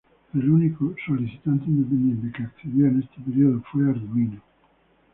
El único solicitante independente accedió en este periodo fue Arduino.